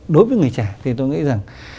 đối với người trẻ thì tôi nghĩ rằng